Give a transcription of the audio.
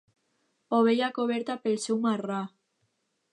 Ovella coberta pel seu marrà.